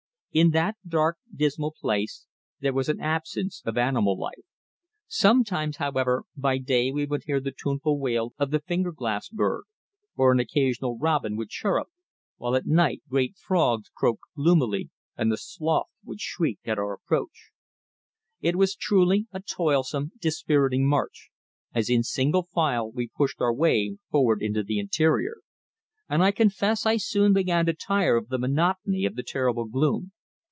In that dark dismal place there was an absence of animal life. Sometimes, however, by day we would hear the tuneful wail of the finger glass bird or an occasional robin would chirrup, while at night great frogs croaked gloomily and the sloth would shriek at our approach. It was truly a toilsome, dispiriting march, as in single file we pushed our way forward into the interior, and I confess I soon began to tire of the monotony of the terrible gloom.